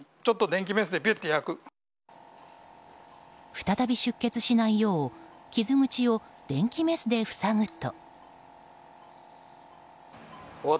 再び出血しないよう傷口を電気メスで塞ぐと。